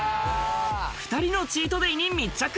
２人のチートデイに密着。